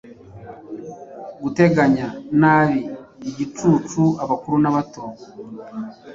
Guteganya nabi igicucuabakuru nabato